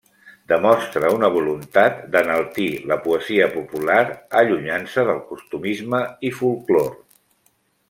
Demostra una voluntat d'enaltir la poesia popular allunyant-se del costumisme i folklore.